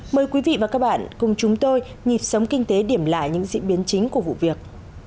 mời quý vị và các bạn cùng chúng tôi nhịp sống kinh tế điểm lại những diễn biến chính của vụ việc